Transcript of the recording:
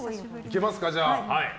行きますか、じゃあ。